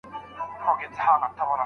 که مو میرمن خوښه نه وي، صبر وکړئ.